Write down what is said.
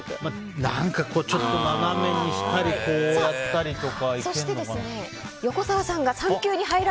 何か、ちょっと斜めにしたりこうやったりとか。